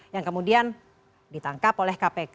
yang kemudian ditangkap oleh kpk